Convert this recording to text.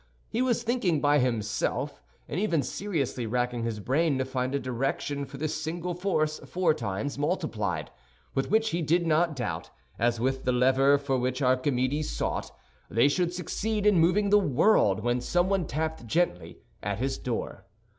He was thinking by himself, and even seriously racking his brain to find a direction for this single force four times multiplied, with which he did not doubt, as with the lever for which Archimedes sought, they should succeed in moving the world, when someone tapped gently at his door.